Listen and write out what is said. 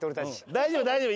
大丈夫大丈夫！